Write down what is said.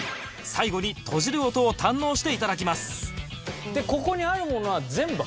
最後に閉じる音を堪能して頂きます